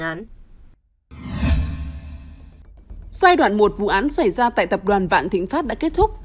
giai đoạn một vụ án xảy ra tại tập đoàn vạn thịnh pháp đã kết thúc